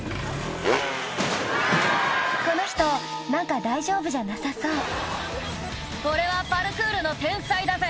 この人何か大丈夫じゃなさそう「俺はパルクールの天才だぜ」